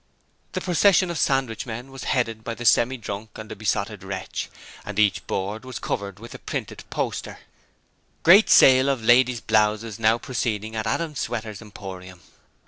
The procession of sandwich men was headed by the Semi drunk and the Besotted Wretch, and each board was covered with a printed poster: 'Great Sale of Ladies' Blouses now Proceeding at Adam Sweater's Emporium.'